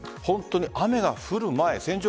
雨が降る前線状